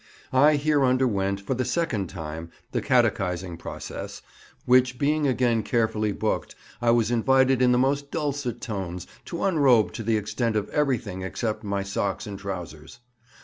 I here underwent, for the second time, the catechizing process, which being again carefully booked, I was invited in the most dulcet tones to unrobe to the extent of everything except my socks and trousers.